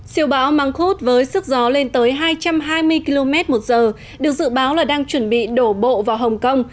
siêu bão măng khuất với sức gió lên tới hai trăm hai mươi km một giờ được dự báo là đang chuẩn bị đổ bộ vào hồng kông